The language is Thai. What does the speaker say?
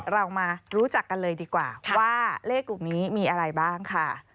เรามารู้จักกันเลยดีกว่าว่าเลขกลุ่มนี้มีอะไรบ้างค่ะ